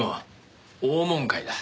翁門会だ。